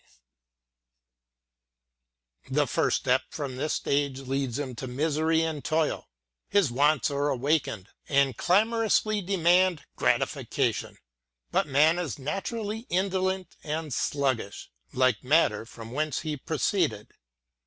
The first step from this state leads him to misery and toil : his wants are awakened, and clamorously demand gratification. But man is naturally indolent and sluggish, like matter from whence he pro ceeded.